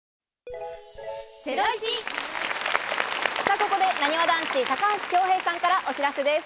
ここで、なにわ男子・高橋恭平さんからお知らせです。